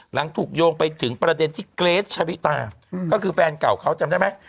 หลังถูกโยงไปถึงประเด็นที่เกรทชะริตาก็คือแฟนเก่าเขาจำได้ไหม